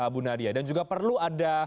bu nadia dan juga perlu ada